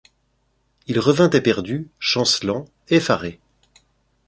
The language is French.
Il revint éperdu, chancelant, effaré